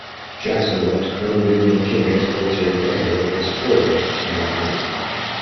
Jackson left Colonel William King as military governor of West Florida and went home.